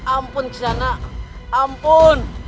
ampun gizanak ampun